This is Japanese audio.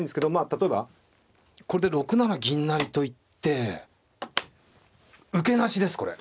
例えばこれで６七銀成と行って受けなしですこれ。